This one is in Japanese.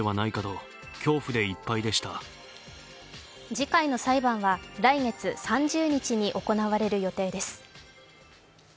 次回の裁判は来月３０日に行われる予定です。